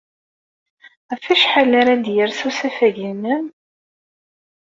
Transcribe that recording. Ɣef wacḥal ara d-yers usafag-nnem?